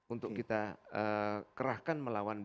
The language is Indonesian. untuk kita kerahkan melawan